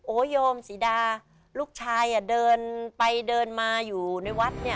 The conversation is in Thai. โยมศรีดาลูกชายเดินไปเดินมาอยู่ในวัดเนี่ย